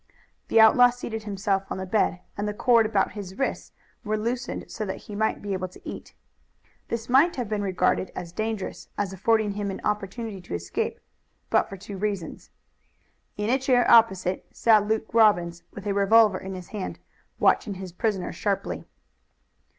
The outlaw seated himself on the bed and the cord about his wrists was loosened so that he might be able to eat. This might have been regarded as dangerous, as affording him an opportunity to escape, but for two reasons. In a chair opposite sat Luke Robbins with a revolver in his hand, watching his prisoner sharply.